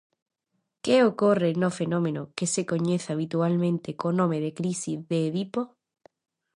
Que ocorre no fenómeno que se coñece habitualmente co nome de crise de Edipo?